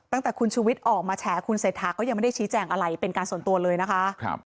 ตั้งแต่คุณชุวิตออกมาแฉคุณเศรษฐาก็ยังไม่ได้ชี้แจงอะไรเป็นการส่วนตัวเลยนะคะ